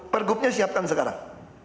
per gubnya siapkan sekarang